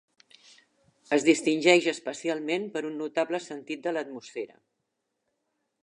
Es distingeix especialment per un notable sentit de l'atmosfera.